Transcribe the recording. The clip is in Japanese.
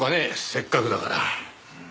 せっかくだから。